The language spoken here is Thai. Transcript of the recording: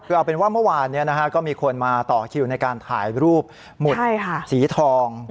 คือเอาเป็นว่าเมื่อวานก็มีคนมาต่อคิวในการถ่ายรูปหมุดสีทอง